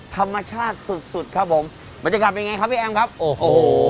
ธรรมชาติสุดสุดครับผมบรรยากาศเป็นไงครับพี่แอมครับโอ้โห